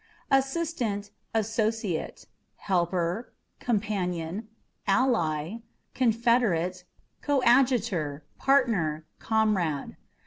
Assistant, Associate â€" helper, companion, ally, confederate, coadjutor, partner, comrade.